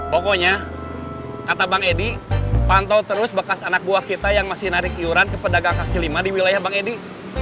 pokoknya kata bang eddy pantau terus bekas anak buah kita yang masih menarik yuran kepada gangka kelima di wilayah bang eddy